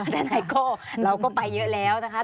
ท่านไอ้โค้เราก็ไปเยอะแล้วนะคะ